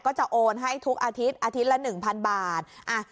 ก็จะโอนให้ทุกอาทิตย์อาทิตย์ละ๑๐๐บาท